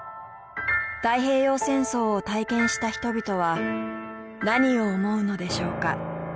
太平洋戦争を体験した人々は何を思うのでしょうか？